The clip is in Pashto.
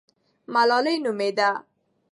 ملالۍ نومېده.